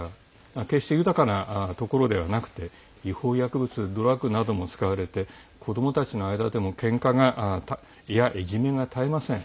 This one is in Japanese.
決して豊かなところではなくて違法薬物ドラッグなども使われて子どもたちの間でもけんかやいじめが絶えません。